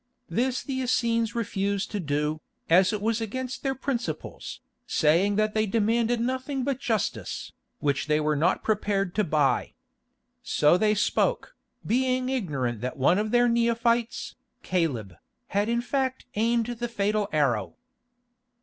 This the Essenes refused to do, as it was against their principles, saying that they demanded nothing but justice, which they were not prepared to buy. So they spoke, being ignorant that one of their neophytes, Caleb, had in fact aimed the fatal arrow.